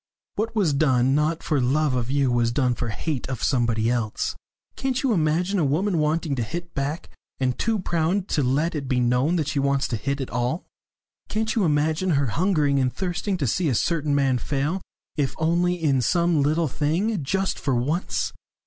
"What was done, not for love of you, was done for hate of somebody else! Can't you imagine a woman wanting to hit back, and too proud to let it be known that she wants to hit at all? Can't you imagine her hungering and thirsting to see a certain man fail, if only in some little thing, just for once?